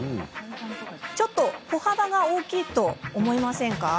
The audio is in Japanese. ちょっと歩幅が大きいと思いませんか？